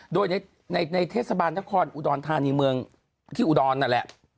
โดยในเทศบาลนครอุดรธานีเมืองที่อุดรนั่นแหละ